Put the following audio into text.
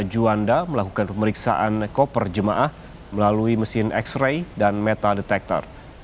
jawa timur memberi tanda melakukan pemeriksaan koper jemaah melalui mesin x ray dan metadetector